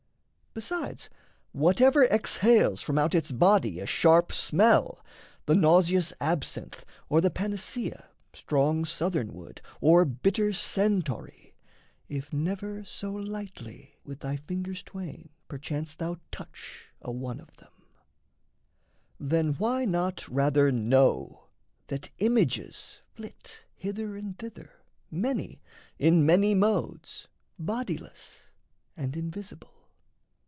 Besides, whatever Exhales from out its body a sharp smell The nauseous absinth, or the panacea, Strong southernwood, or bitter centaury If never so lightly with thy [fingers] twain Perchance [thou touch] a one of them Then why not rather know that images Flit hither and thither, many, in many modes, Bodiless and invisible?